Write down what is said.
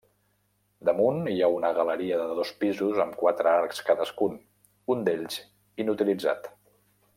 Damunt hi ha una galeria de dos pisos amb quatre arcs cadascun, un d'ells inutilitzat.